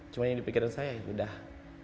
cuman yang di pikiran saya yang sudah